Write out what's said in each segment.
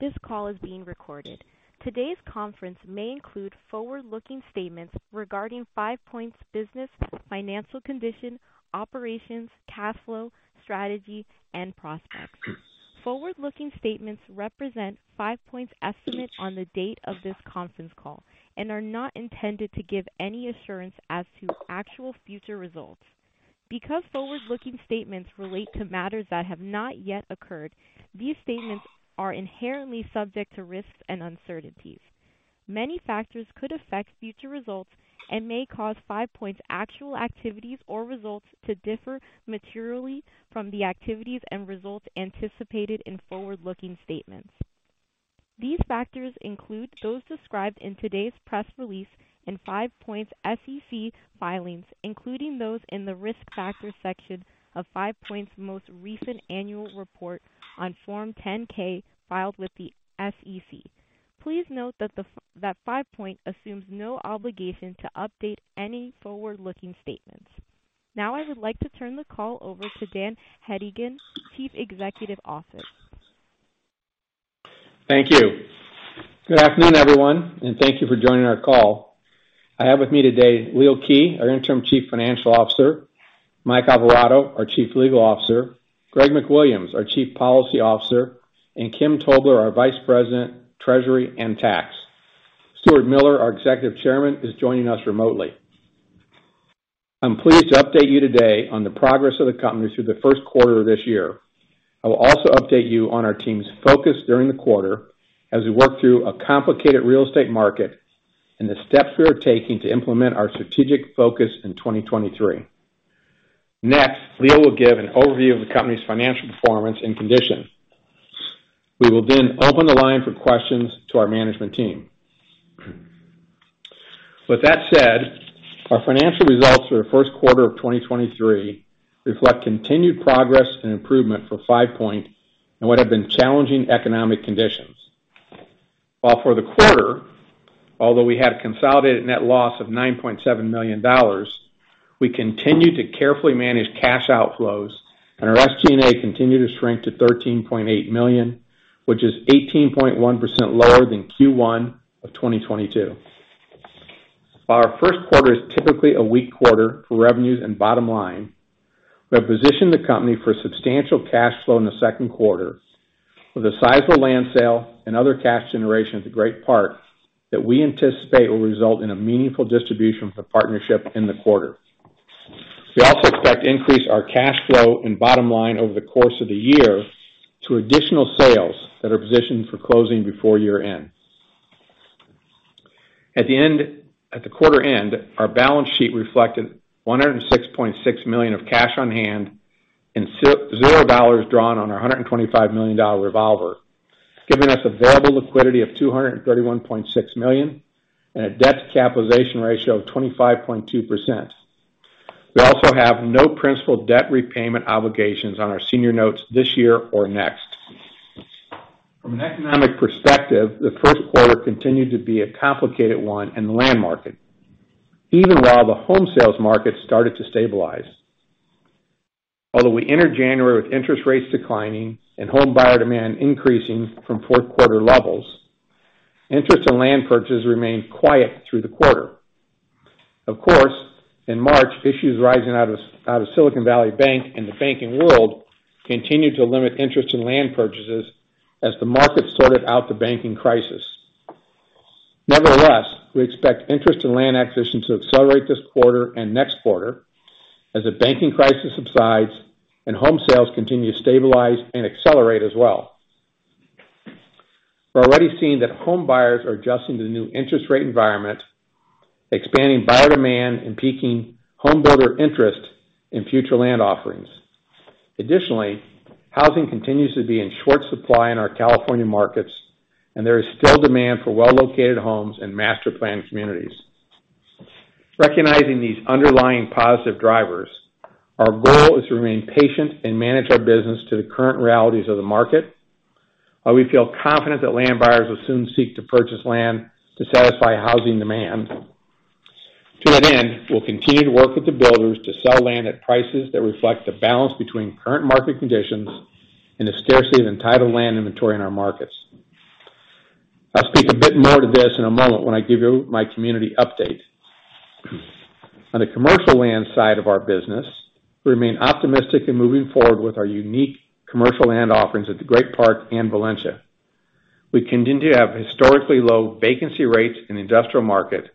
This call is being recorded. Today's conference may include forward-looking statements regarding FivePoint's business, financial condition, operations, cash flow, strategy, and prospects. Forward-looking statements represent FivePoint's estimate on the date of this conference call and are not intended to give any assurance as to actual future results. Because forward-looking statements relate to matters that have not yet occurred, these statements are inherently subject to risks and uncertainties. Many factors could affect future results and may cause FivePoint's actual activities or results to differ materially from the activities and results anticipated in forward-looking statements. These factors include those described in today's press release in FivePoint's SEC filings, including those in the Risk Factors section of FivePoint's most recent annual report on Form 10-K filed with the SEC. Please note that FivePoint assumes no obligation to update any forward-looking statements. I would like to turn the call over to Dan Hedigan, Chief Executive Officer. Thank you. Good afternoon, everyone. Thank you for joining our call. I have with me today Leo Kij, our Interim Chief Financial Officer, Mike Alvarado, our Chief Legal Officer, Greg McWilliams, our Chief Policy Officer, and Kim Tobler, our Vice President, Treasury and Tax. Stuart Miller, our Executive Chairman, is joining us remotely. I'm pleased to update you today on the progress of the company through the first quarter of this year. I will also update you on our team's focus during the quarter as we work through a complicated real estate market and the steps we are taking to implement our strategic focus in 2023. Leo will give an overview of the company's financial performance and condition. We will open the line for questions to our management team. With that said, our financial results for the first quarter of 2023 reflect continued progress and improvement for FivePoint in what have been challenging economic conditions. While for the quarter, although we had a consolidated net loss of $9.7 million, we continued to carefully manage cash outflows, and our SG&A continued to shrink to $13.8 million, which is 18.1% lower than Q1 of 2022. Our first quarter is typically a weak quarter for revenues and bottom line. We have positioned the company for substantial cash flow in the second quarter with a sizable land sale and other cash generation at the Great Park that we anticipate will result in a meaningful distribution for partnership in the quarter. We also expect to increase our cash flow and bottom line over the course of the year through additional sales that are positioned for closing before year-end. At the quarter end, our balance sheet reflected $106.6 million of cash on hand and $0 drawn on our $125 million revolver, giving us available liquidity of $231.6 million and a debt-to-capitalization ratio of 25.2%. We also have no principal debt repayment obligations on our senior notes this year or next. From an economic perspective, the first quarter continued to be a complicated one in the land market, even while the home sales market started to stabilize. Although we entered January with interest rates declining and home buyer demand increasing from fourth quarter levels, interest in land purchases remained quiet through the quarter. Of course, in March, issues rising out of Silicon Valley Bank and the banking world continued to limit interest in land purchases as the market sorted out the banking crisis. Nevertheless, we expect interest in land acquisition to accelerate this quarter and next quarter as the banking crisis subsides and home sales continue to stabilize and accelerate as well. We're already seeing that home buyers are adjusting to the new interest rate environment, expanding buyer demand and peaking home builder interest in future land offerings. Additionally, housing continues to be in short supply in our California markets, and there is still demand for well-located homes and master planned communities. Recognizing these underlying positive drivers, our goal is to remain patient and manage our business to the current realities of the market, while we feel confident that land buyers will soon seek to purchase land to satisfy housing demand. To that end, we'll continue to work with the builders to sell land at prices that reflect the balance between current market conditions and the scarcity of entitled land inventory in our markets. I'll speak a bit more to this in a moment when I give you my community update. On the commercial land side of our business, we remain optimistic in moving forward with our unique commercial land offerings at the Great Park and Valencia. We continue to have historically low vacancy rates in the industrial market,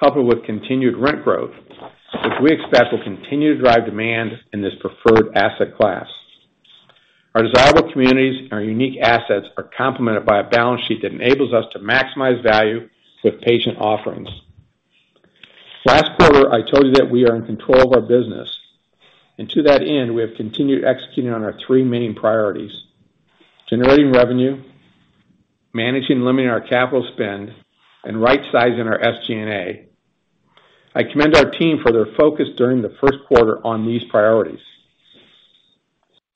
coupled with continued rent growth, which we expect will continue to drive demand in this preferred asset class. Our desirable communities and our unique assets are complemented by a balance sheet that enables us to maximize value with patient offerings. Last quarter, I told you that we are in control of our business. To that end, we have continued executing on our three main priorities: generating revenue, managing and limiting our capital spend, and right-sizing our SG&A. I commend our team for their focus during the first quarter on these priorities.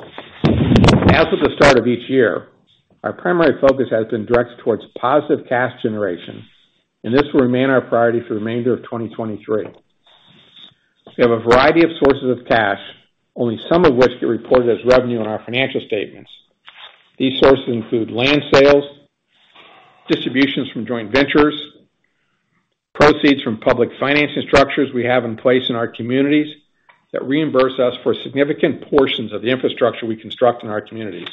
As with the start of each year, our primary focus has been directed towards positive cash generation. This will remain our priority for the remainder of 2023. We have a variety of sources of cash, only some of which get reported as revenue on our financial statements. These sources include land sales, distributions from joint ventures, proceeds from public financing structures we have in place in our communities that reimburse us for significant portions of the infrastructure we construct in our communities.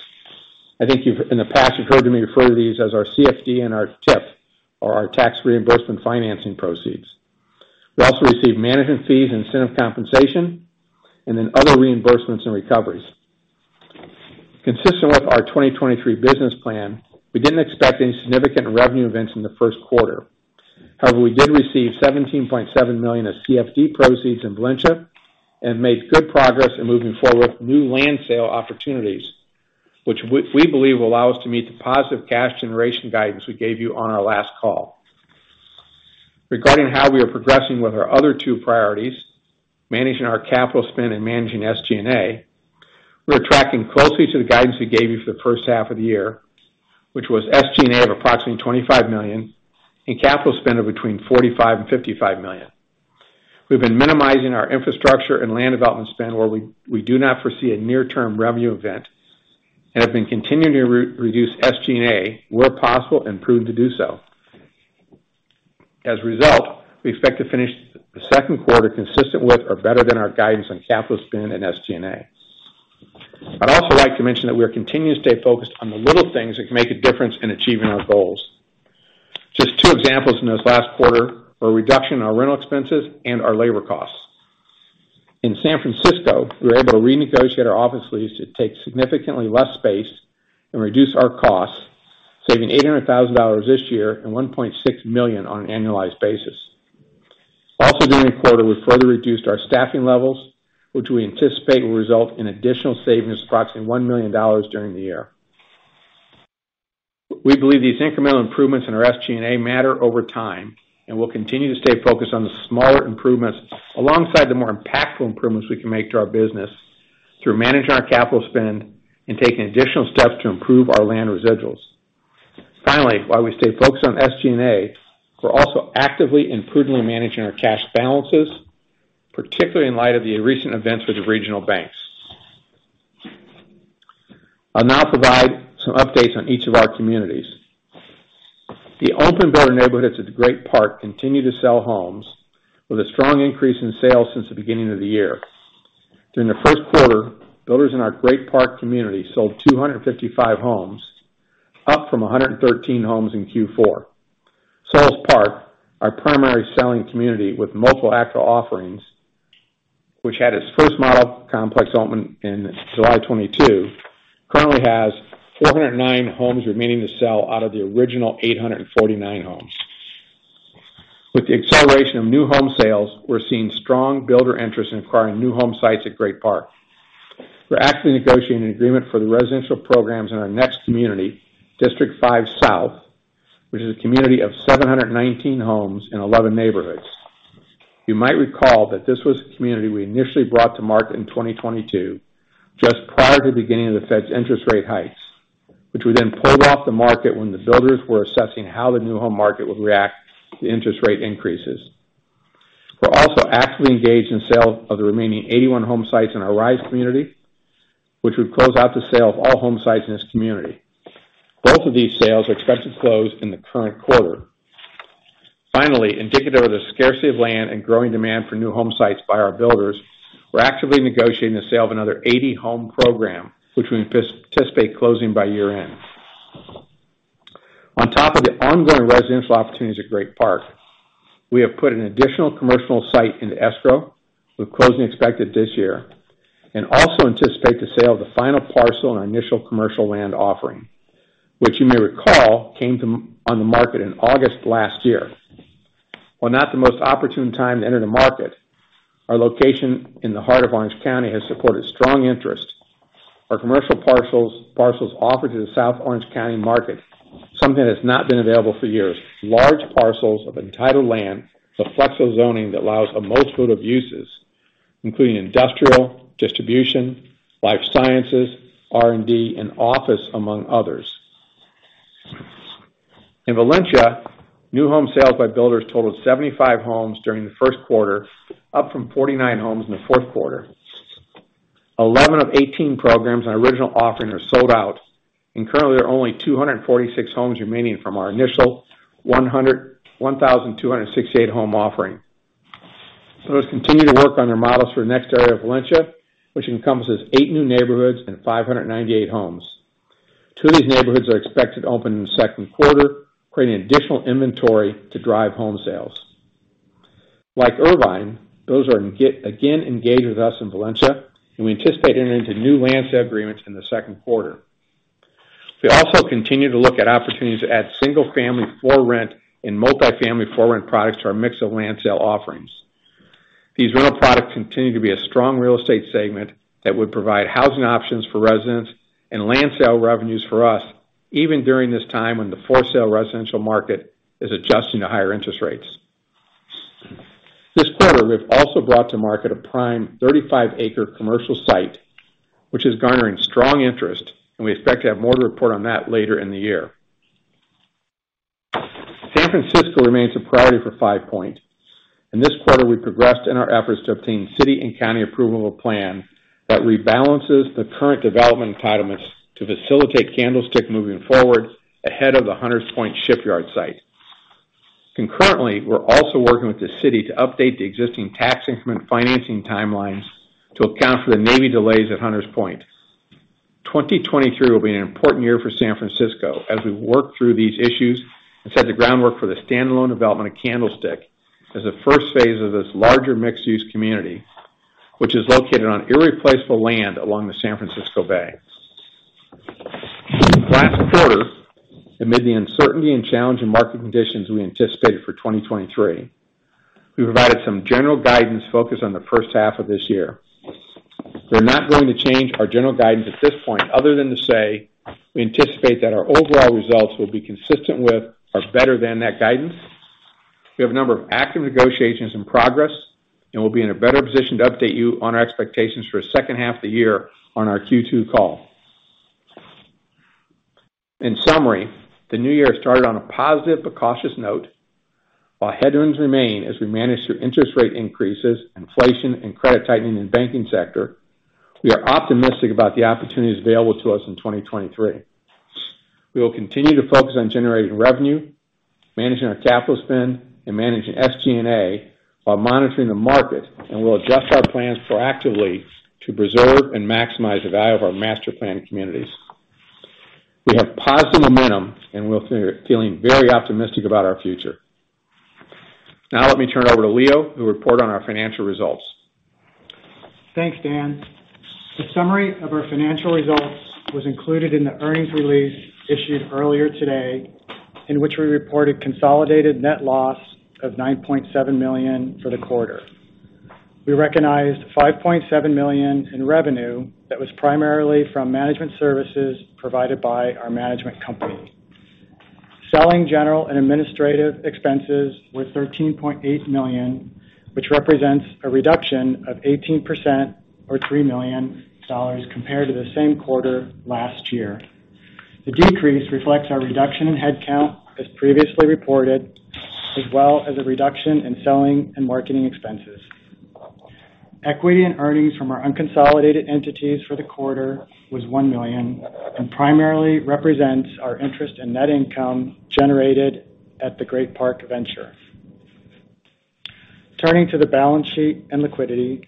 I think you've, in the past, you've heard me refer to these as our CFD and our TIF, or our tax reimbursement financing proceeds. We also receive management fees, incentive compensation, and then other reimbursements and recoveries. Consistent with our 2023 business plan, we didn't expect any significant revenue events in the first quarter. However, we did receive $17.7 million of CFD proceeds in Valencia, and made good progress in moving forward with new land sale opportunities, which we believe will allow us to meet the positive cash generation guidance we gave you on our last call. Regarding how we are progressing with our other two priorities, managing our capital spend and managing SG&A, we're tracking closely to the guidance we gave you for the first half of the year, which was SG&A of approximately $25 million, and capital spend of between $45 million and $55 million. We've been minimizing our infrastructure and land development spend where we do not foresee a near-term revenue event, have been continuing to re-reduce SG&A where possible and proven to do so. As a result, we expect to finish the second quarter consistent with or better than our guidance on capital spend and SG&A. I'd also like to mention that we are continuing to stay focused on the little things that can make a difference in achieving our goals. Just two examples in this last quarter were a reduction in our rental expenses and our labor costs. In San Francisco, we were able to renegotiate our office lease to take significantly less space and reduce our costs, saving $800,000 this year and $1.6 million on an annualized basis. Also during the quarter, we further reduced our staffing levels, which we anticipate will result in additional savings of approximately $1 million during the year. We believe these incremental improvements in our SG&A matter over time. We'll continue to stay focused on the smaller improvements alongside the more impactful improvements we can make to our business through managing our capital spend and taking additional steps to improve our land residuals. Finally, while we stay focused on SG&A, we're also actively and prudently managing our cash balances, particularly in light of the recent events with the regional banks. I'll now provide some updates on each of our communities. The open builder neighborhoods at Great Park continue to sell homes, with a strong increase in sales since the beginning of the year. During the first quarter, builders in our Great Park community sold 255 homes, up from 113 homes in Q4. Solis Park, our primary selling community with multiple active offerings, which had its first model complex opening in July 2022, currently has 409 homes remaining to sell out of the original 849 homes. With the acceleration of new home sales, we're seeing strong builder interest in acquiring new home sites at Great Park. We're actively negotiating an agreement for the residential programs in our next community, District 5 South, which is a community of 719 homes in 11 neighborhoods. You might recall that this was a community we initially brought to market in 2022 just prior to the beginning of the Fed's interest rate hikes, which we then pulled off the market when the builders were assessing how the new home market would react to interest rate increases. We're also actively engaged in sale of the remaining 81 home sites in our Rise community, which would close out the sale of all home sites in this community. Both of these sales are expected to close in the current quarter. Finally, indicative of the scarcity of land and growing demand for new home sites by our builders, we're actively negotiating the sale of another 80-home program, which we anticipate closing by year-end. On top of the ongoing residential opportunities at Great Park, we have put an additional commercial site into escrow, with closing expected this year, and also anticipate the sale of the final parcel in our initial commercial land offering, which you may recall came on the market in August last year. While not the most opportune time to enter the market, our location in the heart of Orange County has supported strong interest. Our commercial parcels offered to the South Orange County market, something that's not been available for years. Large parcels of entitled land with flexible zoning that allows a multitude of uses, including industrial, distribution, life sciences, R&D, and office, among others. In Valencia, new home sales by builders totaled 75 homes during the first quarter, up from 49 homes in the fourth quarter. 11 of 18 programs on our original offering are sold out, currently there are only 246 homes remaining from our initial 1,268 home offering. Builders continue to work on their models for the next area of Valencia, which encompasses eight new neighborhoods and 598 homes. Two of these neighborhoods are expected to open in the second quarter, creating additional inventory to drive home sales. Like Irvine, builders are again engaged with us in Valencia, we anticipate entering into new land sale agreements in the second quarter. We also continue to look at opportunities to add single-family for rent and multifamily for rent products to our mix of land sale offerings. These rental products continue to be a strong real estate segment that would provide housing options for residents and land sale revenues for us, even during this time when the for-sale residential market is adjusting to higher interest rates. This quarter, we've also brought to market a prime 35 acres commercial site, which is garnering strong interest, and we expect to have more to report on that later in the year. San Francisco remains a priority for FivePoint. In this quarter, we progressed in our efforts to obtain city and county approval of plan that rebalances the current development entitlements to facilitate Candlestick moving forward ahead of the Hunters Point Shipyard site. Concurrently, we're also working with the city to update the existing tax increment financing timelines to account for the Navy delays at Hunters Point. 2023 will be an important year for San Francisco as we work through these issues and set the groundwork for the standalone development of Candlestick as a first phase of this larger mixed-use community, which is located on irreplaceable land along the San Francisco Bay. Last quarter, amid the uncertainty and challenging market conditions we anticipated for 2023, we provided some general guidance focused on the first half of this year. We're not going to change our general guidance at this point other than to say we anticipate that our overall results will be consistent with or better than that guidance. We have a number of active negotiations in progress. We'll be in a better position to update you on our expectations for the second half of the year on our Q2 call. In summary, the new year started on a positive but cautious note. While headwinds remain as we manage through interest rate increases, inflation, and credit tightening in the banking sector, we are optimistic about the opportunities available to us in 2023. We will continue to focus on generating revenue, managing our capital spend, and managing SG&A while monitoring the market, and we'll adjust our plans proactively to preserve and maximize the value of our master planned communities. We have positive momentum, and we're feeling very optimistic about our future. Let me turn it over to Leo, who will report on our financial results. Thanks, Dan. The summary of our financial results was included in the earnings release issued earlier today, in which we reported consolidated net loss of $9.7 million for the quarter. We recognized $5.7 million in revenue that was primarily from management services provided by our management company. Selling, general, and administrative expenses were $13.8 million, which represents a reduction of 18% or $3 million compared to the same quarter last year. The decrease reflects our reduction in headcount, as previously reported, as well as a reduction in selling and marketing expenses. Equity and earnings from our unconsolidated entities for the quarter was $1 million and primarily represents our interest in net income generated at the Great Park Venture. Turning to the balance sheet and liquidity,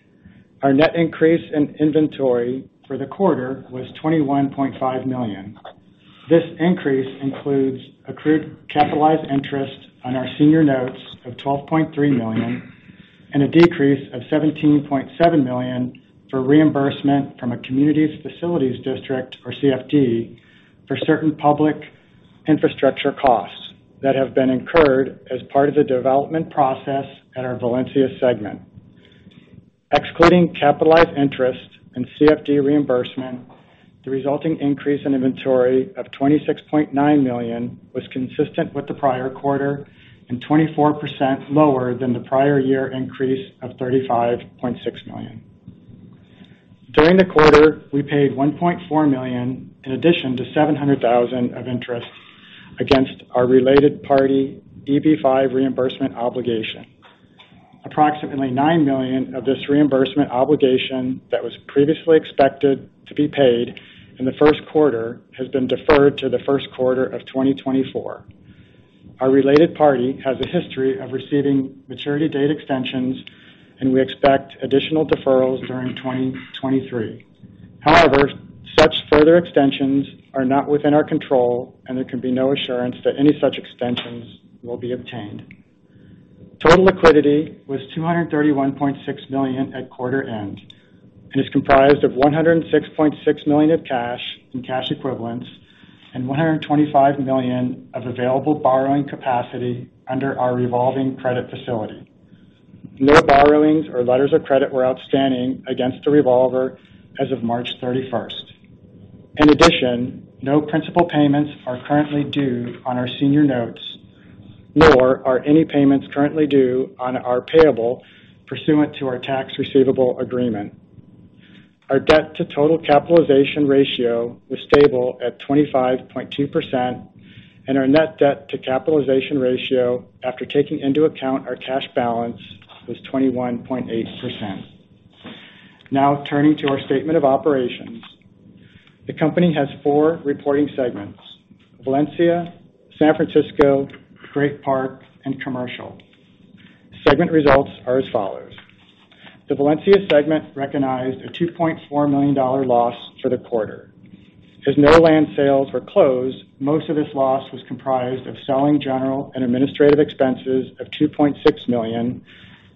our net increase in inventory for the quarter was $21.5 million. This increase includes accrued capitalized interest on our senior notes of $12.3 million and a decrease of $17.7 million for reimbursement from a Community Facilities District, or CFD, for certain public infrastructure costs that have been incurred as part of the development process at our Valencia segment. Excluding capitalized interest and CFD reimbursement, the resulting increase in inventory of $26.9 million was consistent with the prior quarter and 24% lower than the prior year increase of $35.6 million. During the quarter, we paid $1.4 million in addition to $700,000 of interest against our related party EB-5 reimbursement obligation. Approximately $9 million of this reimbursement obligation that was previously expected to be paid in the first quarter has been deferred to the first quarter of 2024. Our related party has a history of receiving maturity date extensions, and we expect additional deferrals during 2023. However, such further extensions are not within our control, and there can be no assurance that any such extensions will be obtained. Total liquidity was $231.6 million at quarter end and is comprised of $106.6 million of cash and cash equivalents and $125 million of available borrowing capacity under our revolving credit facility. No borrowings or letters of credit were outstanding against the revolver as of March 31st. In addition, no principal payments are currently due on our senior notes, nor are any payments currently due on our payable pursuant to our tax receivable agreement. Our debt-to-total capitalization ratio was stable at 25.2%, and our net debt to capitalization ratio, after taking into account our cash balance, was 21.8%. Turning to our statement of operations. The company has four reporting segments: Valencia, San Francisco, Great Park, and Commercial. Segment results are as follows. The Valencia segment recognized a $2.4 million loss for the quarter. As no land sales were closed, most of this loss was comprised of selling, general, and administrative expenses of $2.6 million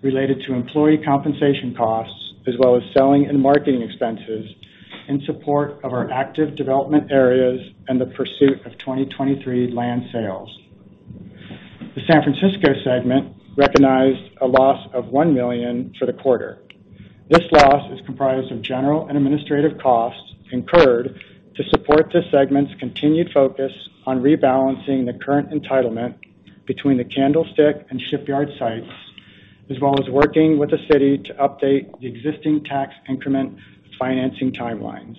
related to employee compensation costs as well as selling and marketing expenses in support of our active development areas and the pursuit of 2023 land sales. The San Francisco segment recognized a loss of $1 million for the quarter. This loss is comprised of general and administrative costs incurred to support the segment's continued focus on rebalancing the current entitlement between the Candlestick and Shipyard sites, as well as working with the city to update the existing tax increment financing timelines.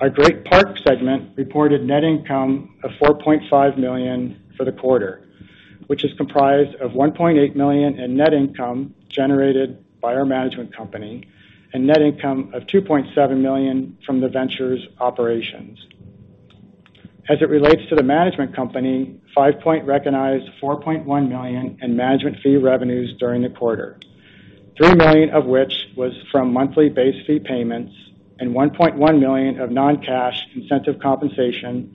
Our Great Park segment reported net income of $4.5 million for the quarter, which is comprised of $1.8 million in net income generated by our management company and net income of $2.7 million from the venture's operations. As it relates to the management company, FivePoint recognized $4.1 million in management fee revenues during the quarter, $3 million of which was from monthly base fee payments and $1.1 million of non-cash incentive compensation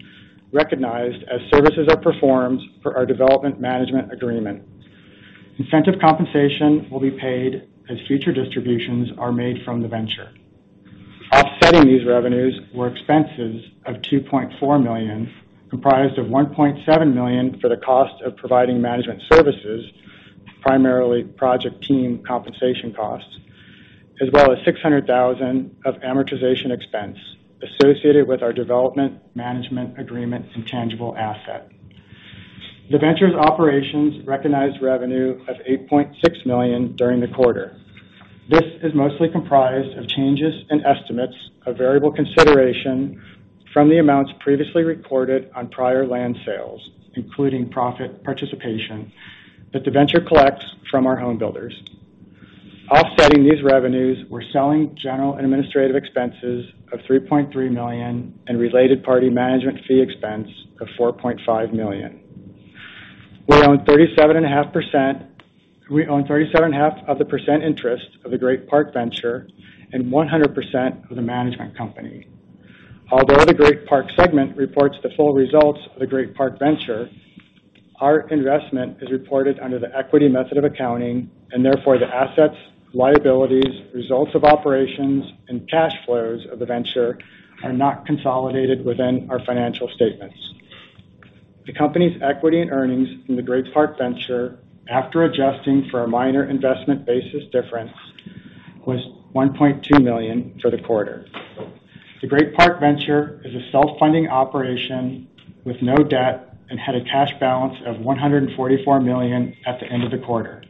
recognized as services are performed for our development management agreement. Incentive compensation will be paid as future distributions are made from the venture. Offsetting these revenues were expenses of $2.4 million, comprised of $1.7 million for the cost of providing management services, primarily project team compensation costs, as well as $600,000 of amortization expense associated with our development management agreement and tangible asset. The venture's operations recognized revenue of $8.6 million during the quarter. This is mostly comprised of changes in estimates of variable consideration from the amounts previously reported on prior land sales, including profit participation that the venture collects from our home builders. Offsetting these revenues, we're selling, general and administrative expenses of $3.3 million and related party management fee expense of $4.5 million. We own 37.5% interest of the Great Park Venture and 100% of the management company. Although the Great Park segment reports the full results of the Great Park Venture, our investment is reported under the equity method of accounting, and therefore, the assets, liabilities, results of operations, and cash flows of the venture are not consolidated within our financial statements. The company's equity and earnings from the Great Park Venture, after adjusting for a minor investment basis difference, was $1.2 million for the quarter. The Great Park Venture is a self-funding operation with no debt and had a cash balance of $144 million at the end of the quarter.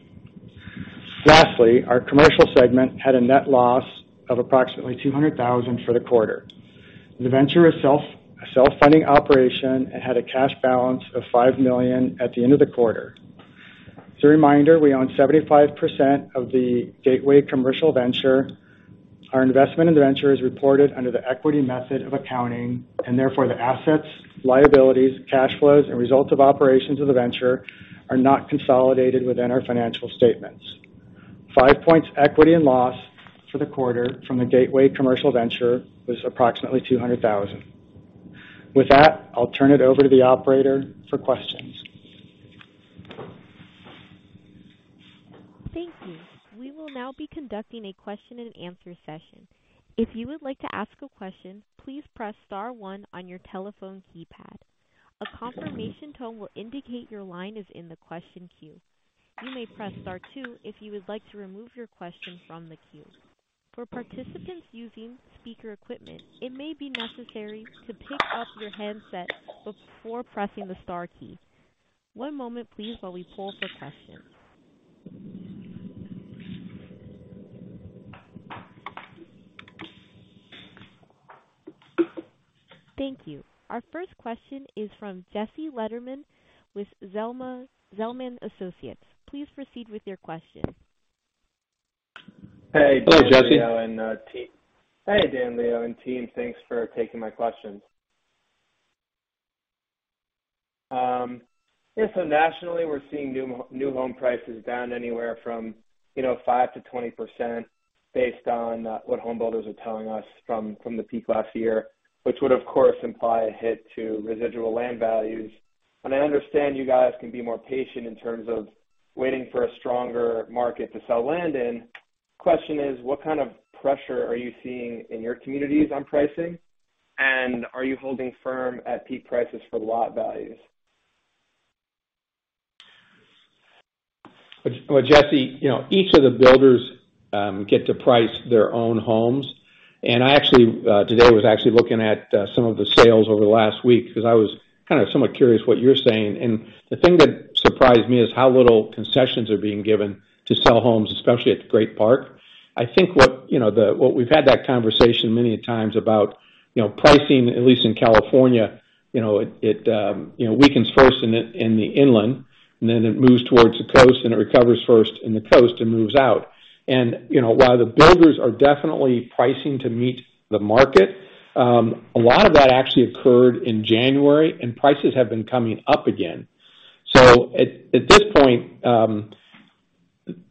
Lastly, our commercial segment had a net loss of approximately $200,000 for the quarter. The venture is a self-funding operation and had a cash balance of $5 million at the end of the quarter. As a reminder, we own 75% of the Gateway Commercial Venture. Our investment in the venture is reported under the equity method of accounting. Therefore, the assets, liabilities, cash flows, and results of operations of the venture are not consolidated within our financial statements. FivePoint's equity and loss for the quarter from the Gateway Commercial Venture was approximately $200,000. With that, I'll turn it over to the operator for questions. Thank you. We will now be conducting a Q&A session. If you would like to ask a question, please press star one on your telephone keypad. A confirmation tone will indicate your line is in the question queue. You may press star two if you would like to remove your question from the queue. For participants using speaker equipment, it may be necessary to pick up your handset before pressing the star key. One moment please while we pull for questions. Thank you. Our first question is from Jesse Lederman with Zelman Associates. Please proceed with your question. Hey, Jesse. Hey, Dan, Leo, and team. Thanks for taking my questions. Nationally, we're seeing new home prices down anywhere from 5%-20% based on what home builders are telling us from the peak last year, which would, of course, imply a hit to residual land values. I understand you guys can be more patient in terms of waiting for a stronger market to sell land in. Question is, what kind of pressure are you seeing in your communities on pricing, and are you holding firm at peak prices for lot values? Well, Jesse, you know, each of the builders get to price their own homes. I actually, today was actually looking at some of the sales over the last week because I was kind of somewhat curious what you're saying. The thing that surprised me is how little concessions are being given to sell homes, especially at Great Park. I think what, you know, what we've had that conversation many a times about, you know, pricing, at least in California, you know, it weakens first in the, in the inland, and then it moves towards the coast, and it recovers first in the coast and moves out. You know, while the builders are definitely pricing to meet the market, a lot of that actually occurred in January, and prices have been coming up again. At this point, and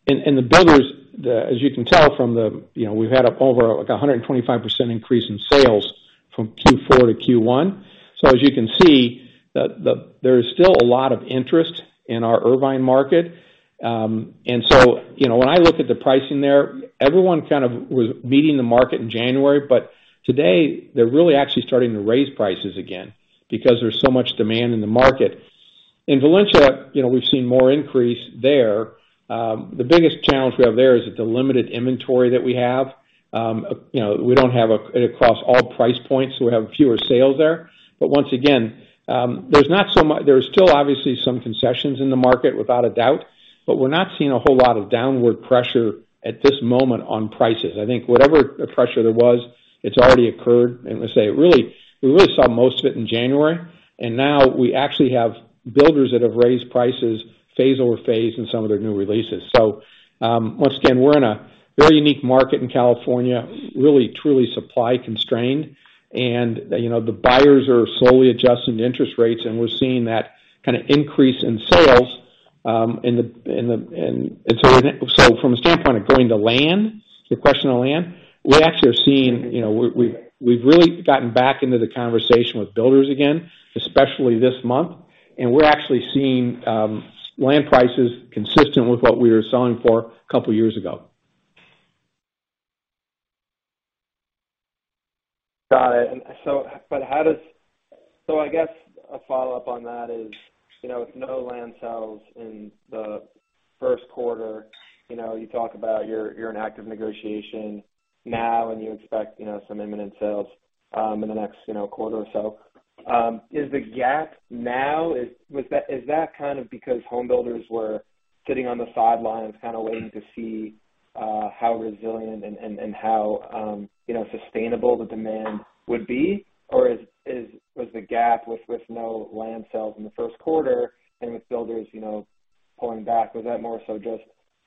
the builders, as you can tell from the, you know, we've had up over like a 125% increase in sales from Q4 to Q1. As you can see, there is still a lot of interest in our Irvine market. You know, when I look at the pricing there, everyone kind of was beating the market in January, but today they're really actually starting to raise prices again because there's so much demand in the market. In Valencia, you know, we've seen more increase there. The biggest challenge we have there is that the limited inventory that we have, you know, we don't have across all price points, so we have fewer sales there. Once again, there's not so there's still obviously some concessions in the market, without a doubt, but we're not seeing a whole lot of downward pressure at this moment on prices. I think whatever pressure there was, it's already occurred. Let's say really, we really saw most of it in January, and now we actually have builders that have raised prices phase over phase in some of their new releases. Once again, we're in a very unique market in California, really, truly supply constrained. You know, the buyers are slowly adjusting to interest rates, and we're seeing that kinda increase in sales. From a standpoint of growing the land, your question on land, we actually are seeing, you know, we've really gotten back into the conversation with builders again, especially this month. We're actually seeing land prices consistent with what we were selling for a couple years ago. Got it. I guess a follow-up on that is, you know, with no land sales in the first quarter, you know, you talk about you're in active negotiation now and you expect, you know, some imminent sales in the next, you know, quarter or so. Is the gap now, is that kind of because home builders were sitting on the sidelines kind of waiting to see how resilient and how, you know, sustainable the demand would be? Was the gap with no land sales in the first quarter and with builders, you know, pulling back, was that more so just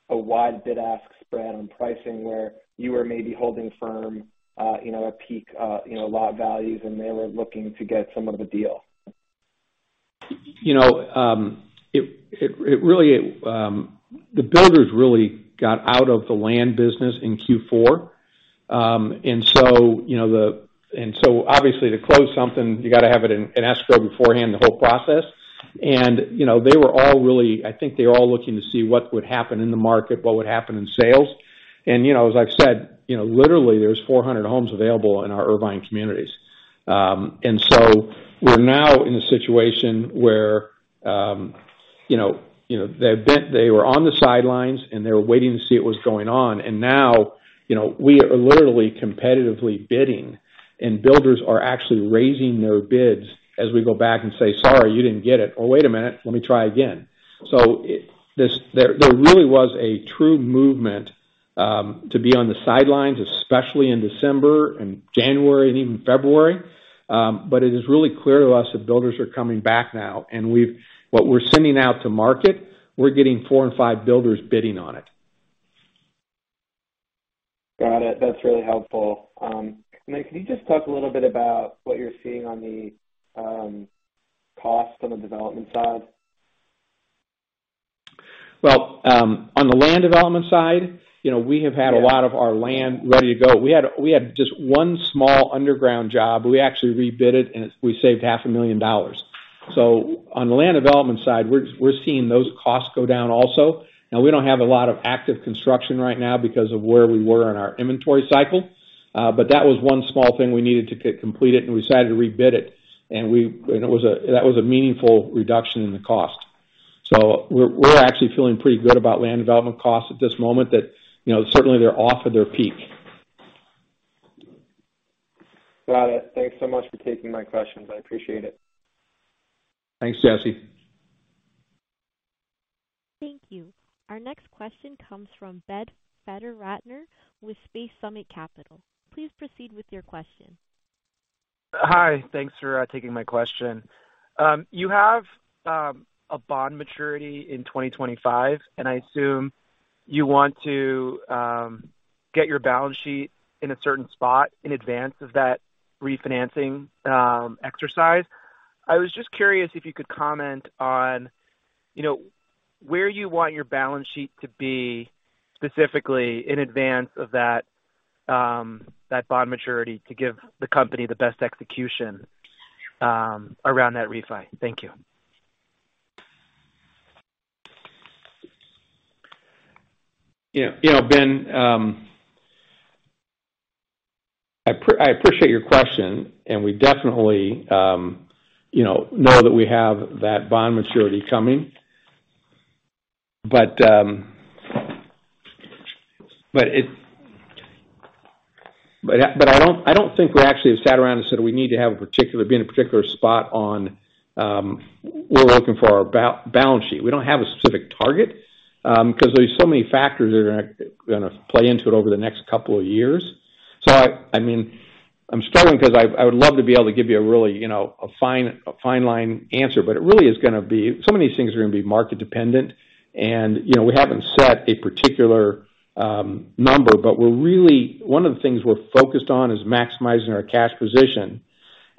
a wide bid-ask spread on pricing where you were maybe holding firm, you know, at peak, you know, lot values and they were looking to get some of a deal? You know, it really, the builders really got out of the land business in Q4. Obviously to close something, you gotta have it in escrow beforehand, the whole process. You know, they were all really, I think they're all looking to see what would happen in the market, what would happen in sales. You know, as I've said, you know, literally there's 400 homes available in our Irvine communities. We're now in a situation where, you know, they were on the sidelines, and they were waiting to see what was going on. Now, you know, we are literally competitively bidding, and builders are actually raising their bids as we go back and say, "Sorry, you didn't get it." Or, "Wait a minute, let me try again." There really was a true movement to be on the sidelines, especially in December and January and even February. It is really clear to us that builders are coming back now, and what we're sending out to market, we're getting four and five builders bidding on it. Got it. That's really helpful. Can you just talk a little bit about what you're seeing on the cost on the development side? On the land development side, you know, we have had a lot of our land ready to go. We had just one small underground job. We actually rebid it, we saved $500,000. On the land development side, we're seeing those costs go down also. Now we don't have a lot of active construction right now because of where we were in our inventory cycle, but that was one small thing we needed to get completed, and we decided to rebid it. It was a meaningful reduction in the cost. We're actually feeling pretty good about land development costs at this moment that, you know, certainly they're off of their peak. Got it. Thanks so much for taking my questions. I appreciate it. Thanks, Jesse. Thank you. Our next question comes from Ben Fader-Rattner with Space Summit Capital. Please proceed with your question. Hi. Thanks for taking my question. You have a bond maturity in 2025. I assume you want to get your balance sheet in a certain spot in advance of that refinancing exercise. I was just curious if you could comment on, you know, where you want your balance sheet to be specifically in advance of that bond maturity to give the company the best execution around that refi. Thank you. You know, Ben, I appreciate your question, and we definitely, you know that we have that bond maturity coming. I don't think we actually have sat around and said we need to have a particular be in a particular spot on, we're looking for our balance sheet. We don't have a specific target, 'cause there's so many factors that are gonna play into it over the next couple of years. I mean, I would love to be able to give you a really, you know, a fine line answer, but it really is gonna be. Some of these things are gonna be market dependent. You know, we haven't set a particular number, but we're really. One of the things we're focused on is maximizing our cash position.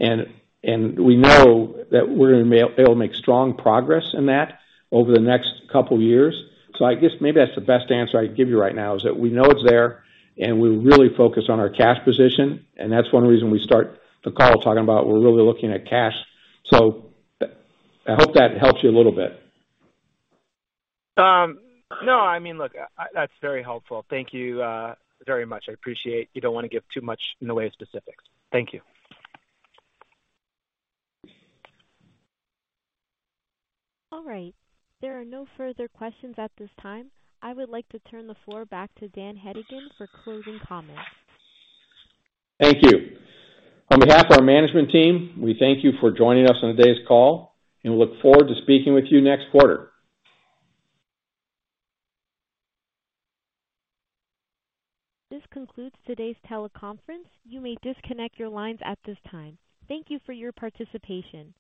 We know that we're gonna be able to make strong progress in that over the next couple years. I guess maybe that's the best answer I can give you right now, is that we know it's there, and we're really focused on our cash position, and that's one reason we start the call talking about we're really looking at cash. I hope that helps you a little bit. No. I mean, look, that's very helpful. Thank you very much. I appreciate you don't wanna give too much in the way of specifics. Thank you. All right. There are no further questions at this time. I would like to turn the floor back to Dan Hedigan for closing comments. Thank you. On behalf of our management team, we thank you for joining us on today's call and look forward to speaking with you next quarter. This concludes today's teleconference. You may disconnect your lines at this time. Thank you for your participation.